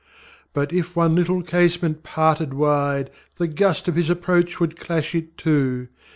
But, if one little casement parted wide, The gust of His approach would clash it to.